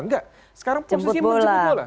enggak sekarang posisinya menjemput bola